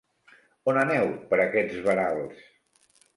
On aneu, per aquests verals?